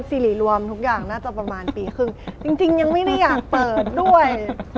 สิริรวมทุกอย่างน่าจะประมาณปีครึ่งจริงยังไม่ได้อยากเปิดด้วย